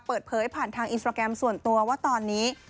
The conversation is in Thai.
เปิดเผยผ่านทางอินสตราแกรมส่วนตัวว่าตอนนี้